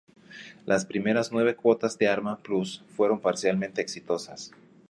Las primeras nueve cuotas de Arma Plus fueron parcialmente exitosas.